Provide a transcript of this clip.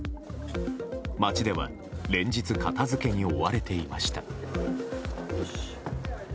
街では、連日片付けに追われていました。